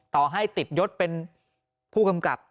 ต่อให้ติดยศเป็นผู้กำกับ